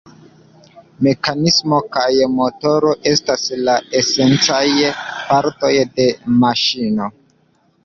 Mekanismo kaj motoro estas la esencaj partoj de maŝino.